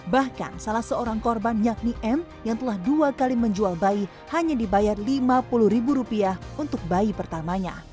bahkan salah seorang korban yakni m yang telah dua kali menjual bayi hanya dibayar lima puluh ribu rupiah untuk bayi pertamanya